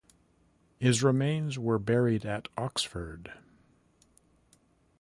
His remains were buried at Oxford.